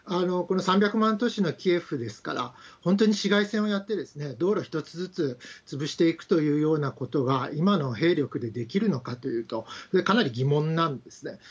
この３００万都市のキエフですから、本当に市街戦をやって道路一つずつ潰していくというようなことが、今の兵力でできるのかというと、かなり疑問なんですね。